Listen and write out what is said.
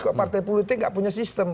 kok partai politik nggak punya sistem